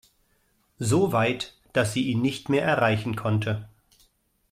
So weit, dass sie ihn nicht mehr erreichen konnte.